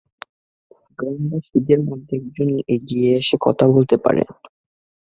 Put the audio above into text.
গ্রামবাসীদের মধ্যে একজন এগিয়ে এসে কথা বলতে পারেন।